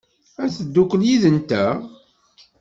Ad teddukel yid-nteɣ?